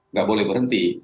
nggak boleh berhenti